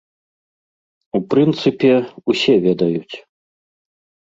У прынцыпе, усе ведаюць.